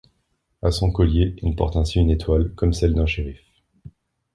À son collier, il porte ainsi une étoile comme celle d'un shérif.